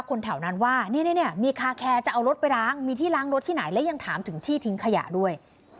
คนแถวนั้นว่ามีคาแคร์จะเอารถไปล้างมีที่ล้างรถที่ไหนและยังถามถึงที่ทิ้งขยะด้วย